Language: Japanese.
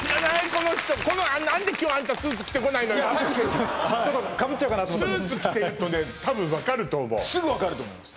この人何で今日あんたスーツ着てこないのよちょっとかぶっちゃうかなとスーツ着てるとね分かると思うすぐ分かると思います